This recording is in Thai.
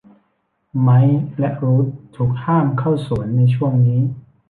ไมค์และรูธถูกห้ามเข้าสวนในช่วงนี้